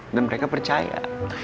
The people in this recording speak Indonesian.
dan mereka percaya